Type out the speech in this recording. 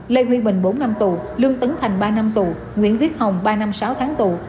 lê huy bình bốn năm tù lương tấn thành ba năm tù nguyễn viết hồng ba năm sáu tháng tù